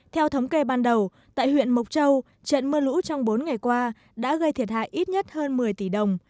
theo thống kê ban đầu tại huyện mộc châu trận mưa lũ trong bốn ngày qua đã gây thiệt hại ít nhất hơn một mươi tỷ đồng